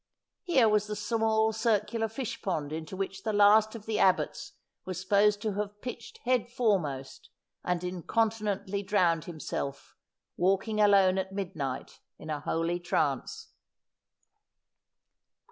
Here was the small circular fish pond into which the last of the abbots was supposed to have pitched headfore most, and incontinently drowned himself, walking alone at mid night in a holy trance.